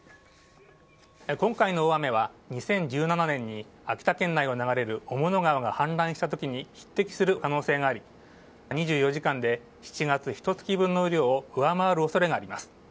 今回の大雨は２０１７年に秋田県内を流れる雄物川が氾濫したときに匹敵する可能性があり２４時間で７月ひと月分の雨量を上回る恐れがあります。